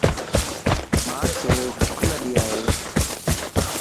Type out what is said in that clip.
مانک ڀک لڳي ائي